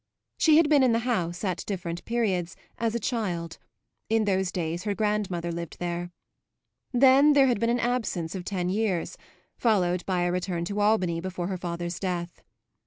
She had been in the house, at different periods, as a child; in those days her grandmother lived there. Then there had been an absence of ten years, followed by a return to Albany before her father's death.